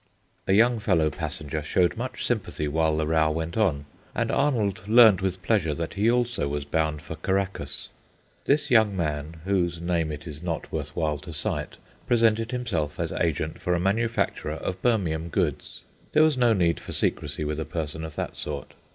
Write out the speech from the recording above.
A young fellow passenger showed much sympathy while the row went on, and Arnold learned with pleasure that he also was bound for Caraccas. This young man, whose name it is not worth while to cite, presented himself as agent for a manufacturer of Birmingham goods. There was no need for secrecy with a person of that sort.